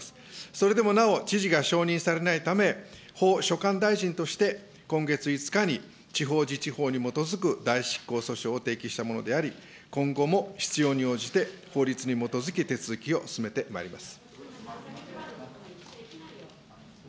それでもなお、知事が承認されないため、法所管大臣として、今月５日に地方自治法に基づく代執行訴訟を提起したものであり、今後も必要に応じて法律に基づき、手続きを進めてまいります。